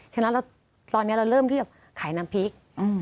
ฉะนั้นตอนเนี้ยเริ่มขายน้ำพริก